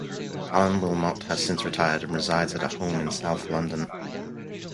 Allan Wilmot has since retired and resides at home in South London.